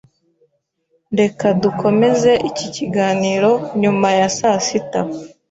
Reka dukomeze iki kiganiro nyuma ya sasita.